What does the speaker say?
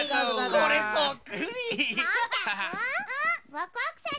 ワクワクさん